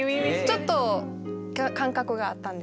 ちょっと間隔があったんですよ。